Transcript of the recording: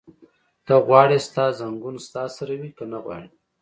ته غواړې ستا ځنګون ستا سره وي؟ که نه غواړې؟